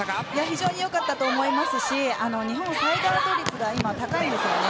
非常に良かったと思いますし日本、サイドアウト率が今、高いんですよね。